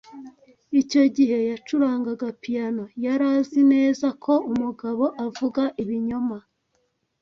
Icyo gihe yacurangaga piyano. Yari azi neza ko umugabo avuga ibinyoma.